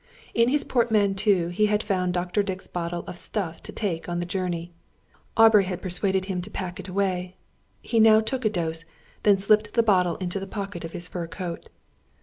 In his portmanteau he had found Dr. Dick's bottle of stuff to take on the journey. Aubrey had persuaded him to pack it away. He now took a dose; then slipped the bottle into the pocket of his fur coat.